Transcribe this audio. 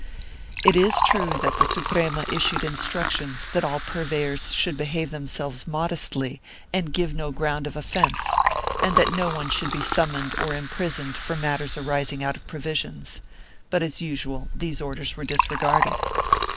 It is true that the Suprema issued instructions that all purveyors should behave themselves modestly and give no ground of offence and that no one should be summoned or imprisoned for matters arising out of provisions, but as usual these orders were disre garded.